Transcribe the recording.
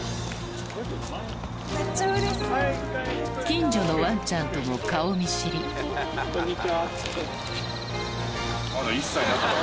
近所のワンちゃんとも顔見知り・